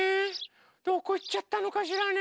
どこいっちゃったのかしらね？